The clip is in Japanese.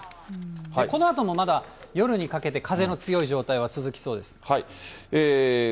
このあともまだ夜にかけて、風の強い状態は続きそうです。